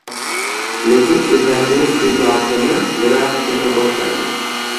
Lekim Ibragimov ijodini grafikada boshlagan.